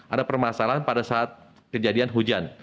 ada permasalahan pada saat kejadian hujan